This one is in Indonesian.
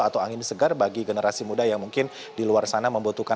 atau angin segar bagi generasi muda yang mungkin di luar sana membutuhkan